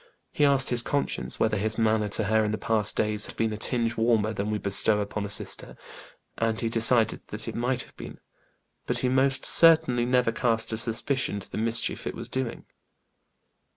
He asked his conscience whether his manner to her in the past days had been a tinge warmer than we bestow upon a sister, and he decided that it might have been, but he most certainly never cast a suspicion to the mischief it was doing.